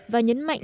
và nhấn mạnh